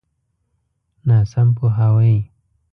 ناسم پوهاوی.